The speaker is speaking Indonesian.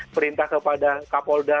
perintah kepada kapolda